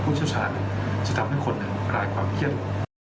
พูดชาวจะทำให้คนร้ายความเครียด